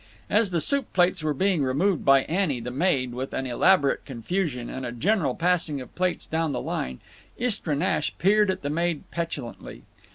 As the soup plates were being removed by Annie, the maid, with an elaborate confusion and a general passing of plates down the line, Istra Nash peered at the maid petulantly.